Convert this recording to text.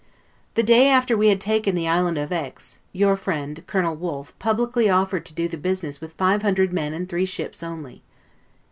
The day after we had taken the island of Aix, your friend, Colonel Wolf, publicly offered to do the business with five hundred men and three ships only.